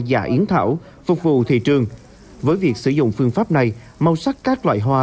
giả yến thảo phục vụ thị trường với việc sử dụng phương pháp này màu sắc các loại hoa